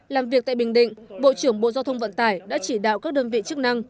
làm việc tại bình định bộ trưởng bộ giao thông vận tải đã chỉ đạo các đơn vị chức năng